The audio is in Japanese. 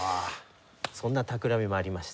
そんなたくらみもありまして。